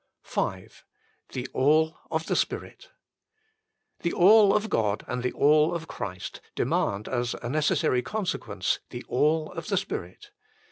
THE ALL OF THE SPIEIT The All of God and the All of Christ demand as a necessary consequence the All of the Spirit.